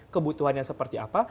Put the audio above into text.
kebutuhannya seperti apa